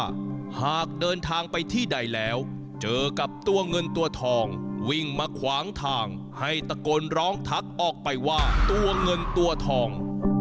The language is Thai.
หากเดินทางไปที่ใดแล้วเจอกับตัวเงินตัวทองวิ่งมาขวางทางให้ตะโกนร้องทักออกไปว่าตัวเงินตัวทอง